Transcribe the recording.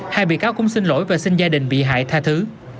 hai bị cáo cũng xin lỗi và xin gia đình bị hại tha thứ